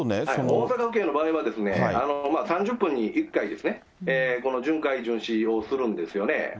大阪府警の場合は、３０分に１回ですね、この巡回巡視をするんですよね。